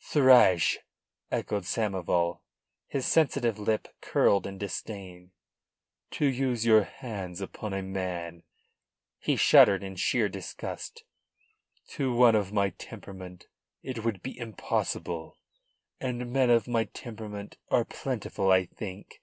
"Thrash?" echoed Samoval. His sensitive lip curled in disdain. "To use your hands upon a man!" He shuddered in sheer disgust. "To one of my temperament it would be impossible, and men of my temperament are plentiful, I think."